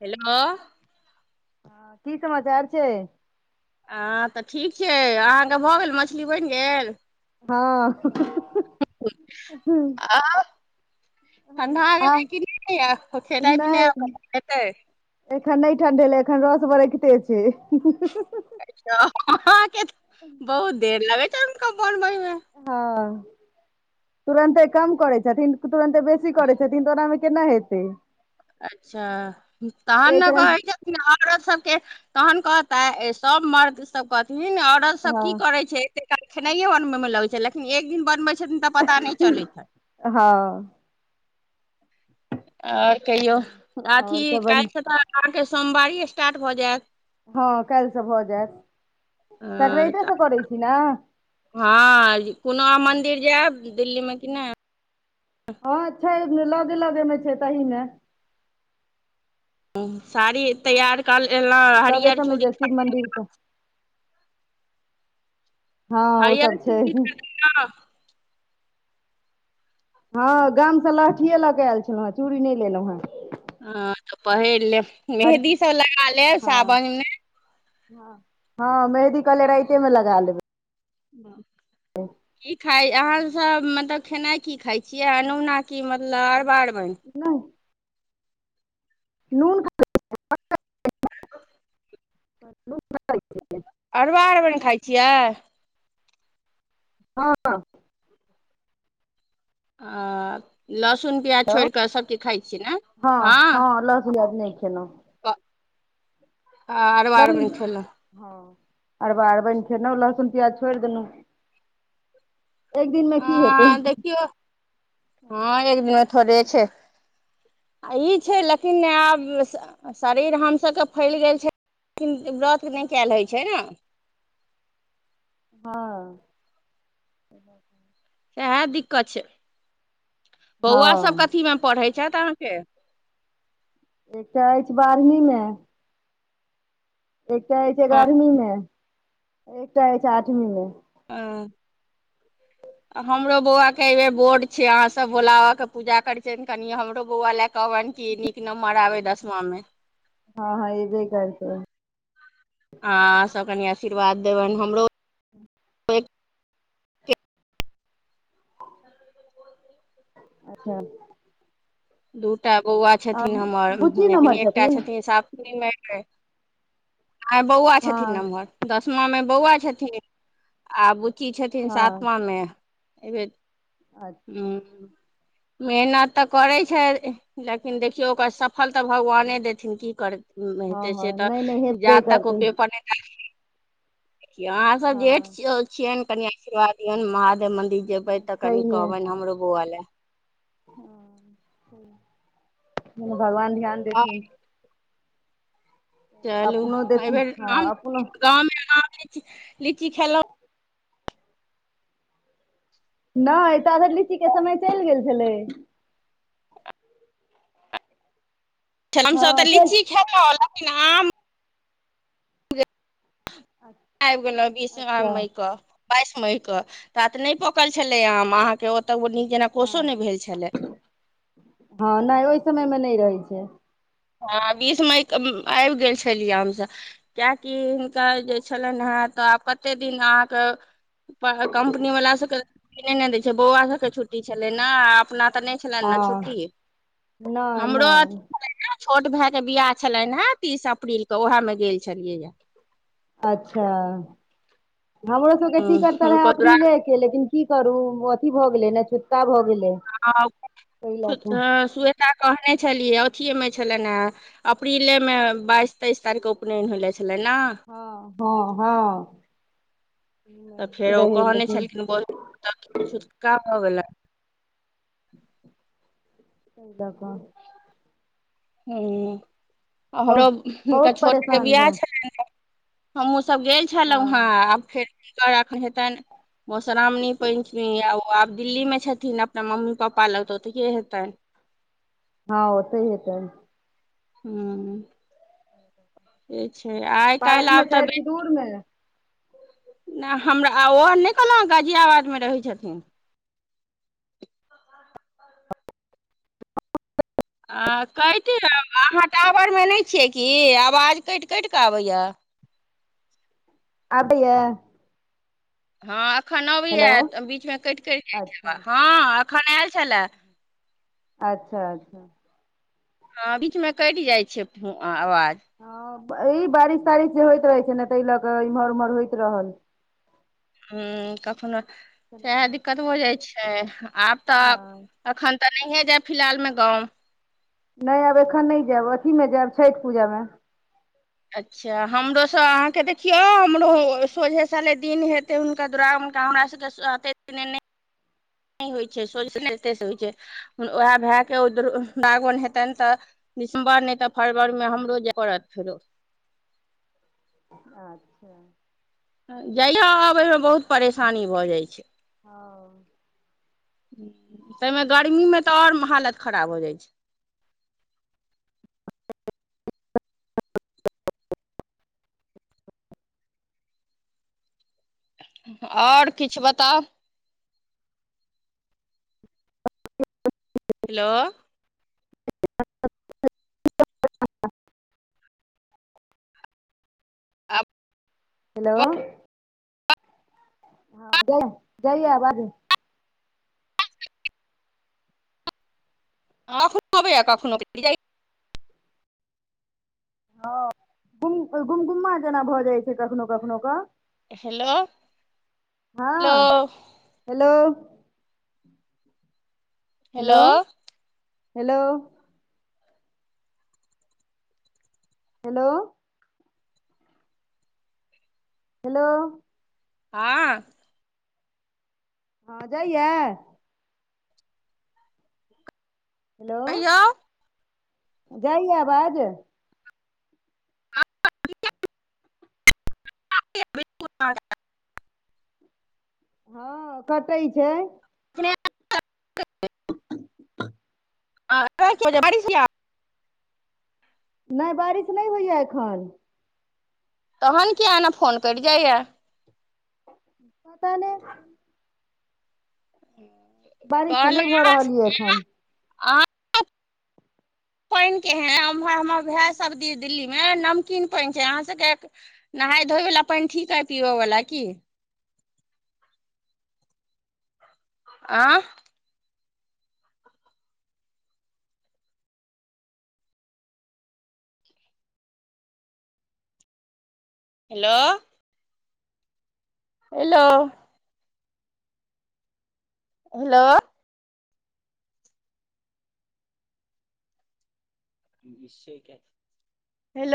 Hello हँ की समाचार छै हँ तऽ ठीक छै अहाँके भऽ गेल मछली बनि गेल हँऽ हुं हुं हूं [inaudible] आउ ठंढा गेलै कि निनीया खेनाय पिनाइ नहि करन खेतय [unintelligible] एखन नहि ठंडेलै एखन रस बरैकते छियै आइ जाउ अहाॅं के बहुत देर लगे छैन हुनका बनबै मे [unintelligible] हँ तुरन्ते कम करै छथिन तुरन्ते बेसी करै छथिन तऽ ओनामे केना हेतै अच्छा तहन ने एक रंग कहै छथिन औरत सभके तहन कहता सब मर्द सब कहथिन औरत सब हँ की करै छै एते काल खेनाइयो बनबै मे लगै छै लेकिन एक दिन बनबै छथिन तऽ पता नहि चलै छनि हँ आओर कहियौ अथी आओर सब बढ़ि काल्हिसँ तऽ अहाँके सोमवारी स्टार्ट भऽ जायत हँ काल्हिसँ भऽ जायत हँ तऽ सकरातेसँ करै छी ने हँ हँ कोनाह मन्दिर जायब दिल्ली मे कि नहि हँ छै लगे लगे मे छै तहि मे साड़ी तैयार कर एलहुँ हरियर चूड़ी [unintelligible] मन्दिर तऽ हँ ओ हरियर सब चुड़ी छै किनहुं हँ गामसँ लहठियए लऽ कऽ आयल छलहुँ हेँ चूड़ी नहि लेलहुँ हेँ हँ तऽ पहिर लेब, हर मेहदी सब लगा लेब हँ सावन में। हँ, हॉं मेहदी कहलियै राइते मे लगा लेबै। कि खाइ, अहाँ सब मतलब खेनाइ कि खाइ छियै? अनुना की मतलब अरबा अरबैन? नै। नून ख [inaudible] हलो [unintelligible] छथिन अरबा अरबैन खाइ छियै? हँऽ। अऽ लहसुन प्याज छोडी कऽ सब किछु खाइ छियै ने? हँ। हाॅं लहसुन प्याज नैय खेलौं। ब, अरबा लहसुन अरबैन खेलौं? हँ, अरबा अरबैन खेलौं, लहसुन प्याज छोड़ि देलौं। की हेतै आ देखियौ, हँ एक दिनमे थोड़े छै। आ ई छै लेकिन आब शरीर हम सब के फैल गेल छै किन ब्रॉत नैय कैऽल होइ छै न। हँऽ। सेहा दिक्कत छै। हँ बौआ सब कथी मे पढ़ै छैथ अहाँके? एकटा अछि बारहवीं में। एकटा अछि ह एगारहमी में, एकटा अछि आठमीं में। अऽ। हमरो बौआ के अइबे बोर्ड छै, अहाँ सब भोलाबाबा के पूजा करे छियैन, कनि हमरो बौआ लैऽ कहबैन। की नीक नम्बर आबै दसमा में। हँ-हँ एबे करतै। आहॉं सब कनि आशीर्वाद देबैन हमरो [inaudible] अच्छा। दूटा बौआ आ छथिन हमर, बुच्ची लेकिन नमहर एकटा छथिन सातमी में। कै आइ बौआ छथिन हँ नमहर, दसमा में बौआ छथिन। आ बुच्ची छथिन हँ सातमा में, अईबेर अच्छा ह्म्म मेहनत तऽ करैत छैथ, लेकिन देखियौ ओकर सफल तऽ भगवाने देथिन की कर में हँ होइते छै हँ तऽ, नहि नहि हेबे जात तक ओ करतै पेपर नैय देलखिन देखियौ अहाँ सब हँ जेठ छिअ-छियैन, कनि आशीर्वाद दियौन महादेव मन्दिर जेबै हँ तऽ कनि कहबैन हमरो बौआ लैऽ। हाॅं ठीक, भगवान ध्यान आ देथिन। चलू अपनो देथिन अइबेर हँ अपनो आम-गाँव में आम ली-लीची खेलौं? नैय ताऽ धैर लीची के समय चैल गेल छलै। छल, हमसब हँ तऽ चल लीची खेलौं लेकिन आम [inaudible] आबि गेलौं बीसा अच्छा मई क बाइस मई क। तात नैय पकल छलै आम, अहाँके ओतऽ नीक जेना कोसो हँ नैय भेल छलै। हँ नैय ओहि समय में नैय रहै छै। हँ बीस मई क ब-आइब गेल छलियै हमसब। किएकि हिनकर जे छेलएनहेँ तऽ आब कतेक दिन अहाँक कम्पनीवला सभके छुट्टी नै ने दै छै, बौआ सभके छुट्टी छलै ना। आ अपना तऽ नै छलनि ने हँ छुट्टी नहि हमरो अथ नहि छल। छोट भेअ के बियाह छलैन हे तीस अप्रील क, उएहे मे गेल छलियै ये। अच्छा। हमरो सबके हूँ, टीकट त रहै हुनको दुरा अप्रीले। लेकिन की करू अथी भऽ गेलै ने छुतका भऽ गेलै। ताहि लऽ कऽ आ स्वेता कहने छलियै अथिए मे छलेन ह। अप्रीले मे बाइस तेइस तारीखक उपनयन होले छलै ने। ह- ह- ह। तऽ फेर ओ कहने लेकिन छलखिन बोल छुटका भऽ गेलन। [unintelligible] ह हमरो बहुत हुनकर बहुत छोटके परेशान बिआह भऽ छलैनहे। हमहूँसभ गेल छलहुँ हेँ हँ आब फेर हुनकर एखन हेतनि। मधुश्रावणी, पंचमी आ ओ आब दिल्ली मे छथिन अपना मम्मी पापा लग तऽ ओतऽ के हेतन। ह ओतेऽ हेतन। हू। से छै आइ पास काल्हि मे आब तऽ छथि बे कि दूर मे नाअ हमरा आ ओ नै कहलहुँ गाजियाबादमे रहै छथिन। आ कैटे अहाँ टावरमे नै छियै कि आवाज कैट - कैट कऽ आबैइया। आबैइये। हँ अखन हेलो अबैये बीचमे कैट - कैट जाइ छै अच्छा आवाज ह एखन आयल छलए। अच्छा - अच्छा। ह बीच मे कैट जाइ छै आवाज। ह ई बारिश - तारिश जे होइत रहै छै ने, तै लऽ क इम्हर - उम्हर होइत रहल। हु कखनो सेहे दिक्कत हो जाइ छै, आब तऽ। हँ अखन तऽ नहिए जायब फिलहाल मे गाँव। नहि आब एखन नहि जायब, अथीमे जायब छठि पूजामे। अच्छा हमरोसँ अहाँके देखियौ हमरो सोझे साले दिन हेत। हेतै हुनका दुरागमन के हमरा सबके साते नै। नै होइ छै, सोझे से होइ छै उएह भए के दुरागमन हेतनि तऽ दिसम्बर नै तऽ फरवर में हमरो जै परत फेरो। [unintelligible] जाइए-आबए में बहुत परेशानी भऽ जाइ छै। हँ। तै में गर्मी में तऽ और हालत खराब हो जाइ छै। और किछ बताउ? हेलो। [unintelligible] आब हेलो। हँ जाए जाइया अबाज। ह कखनो अबैया कखनो कऽ कइट जाइया। ह गुम - गुम-गुम्मा जेना भऽ जाइ छै कखनो - कखनो कऽ हेलो लो। हँ hello. Hello hello hello. Hello. Hello. हाँ। हँ, जाइयैऽ? हेलो, कहियौ जाइयाऽ आबाज? [unintelligible] हँ, कटै छै। [unintelligible] [unintelligible] बारिश यैऽ नै, बारिश नै होइयाऽ एखन। तहन कियाऽ एना फोन कइट जाइयाऽ? पता नै। [inaudible] बारिश तऽ नहि भऽ कहलास रहल यऽ एखन [unintelligible] पइन केहेन? उम्हर हमर भैऽ सब दि दिल्ली में नमकीन पइन छै अहाँ सबके नहाय धोइयो वला पइन ठीक अय पीबऽ वला की? आं? हेलो। हेलो। हेलो। [unintelligible] हेलो।